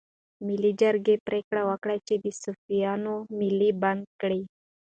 ملي جرګې پریکړه وکړه چې د صفویانو مالیه بنده کړي.